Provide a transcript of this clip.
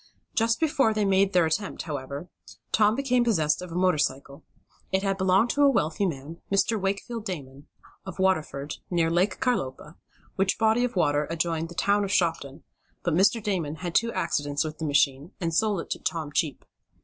Just before they made the attempt, however, Tom became possessed of a motor cycle. It had belonged to a wealthy man, Mr. Wakefield Damon, of Waterford, near Lake Carlopa, which body of water adjoined the town of Shopton; but Mr. Damon had two accidents with the machine, and sold it to Tom cheap.